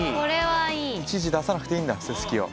いちいち出さなくていいんだセスキを。